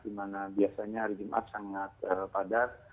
di mana biasanya hari jumat sangat padat